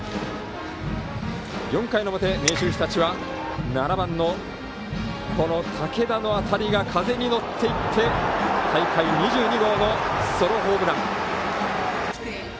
４回の表、明秀日立は７番の武田の当たりが風に乗っていって、大会２２号のソロホームラン。